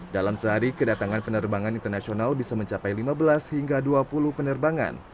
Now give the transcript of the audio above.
dalam sehari kedatangan penerbangan internasional bisa mencapai lima belas hingga dua puluh penerbangan